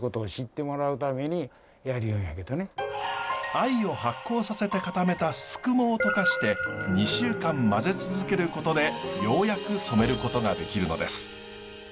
藍を発酵させて固めたすくもを溶かして２週間混ぜ続けることでようやく染めることができるのです。